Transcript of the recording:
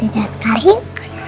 hore dedek sekalian pulang